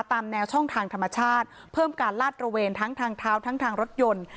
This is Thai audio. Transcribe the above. ตามแนวช่องทางธรรมชาติเพิ่มการลาดระเวนทั้งทางเท้าทั้งทางรถยนต์